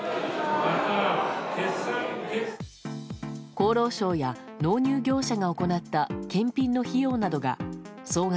厚労省や納入業者が行った検品の費用などが総額